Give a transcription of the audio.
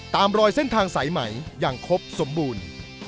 ตามรอยเส้นทางสายไหมอย่างครบสมบูรณ์